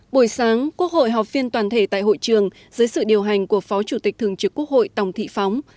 buổi sáng quốc hội họp phiên toàn thể tại hội trường dưới sự điều hành của phó chủ tịch thường trực quốc hội tổng thị phóng